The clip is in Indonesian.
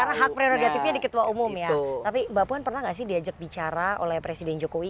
karena hak prerogatifnya di ketua umum ya tapi mbak puan pernah gak sih diajak bicara oleh presiden jokowi